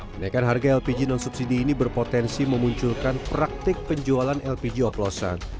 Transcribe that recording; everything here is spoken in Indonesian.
kenaikan harga lpg non subsidi ini berpotensi memunculkan praktik penjualan lpg oplosan